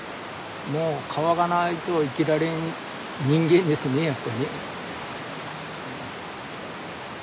もう川がないと生きられん人間ですねやっぱりね。